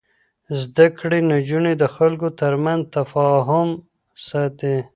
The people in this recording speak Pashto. زده کړې نجونې د خلکو ترمنځ تفاهم ساتي.